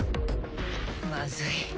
まずい。